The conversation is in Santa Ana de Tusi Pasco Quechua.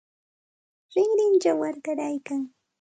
Rinrinchaw warkaraykan.